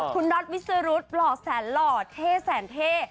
คุณณวิศรุรุทย์หล่อสารหล่อเท่สามเท่